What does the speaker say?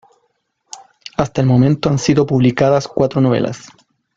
Hasta el momento han sido publicadas cuatro novelas.